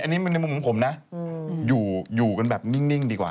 อันนี้ในมุมของผมนะอยู่กันแบบนิ่งดีกว่า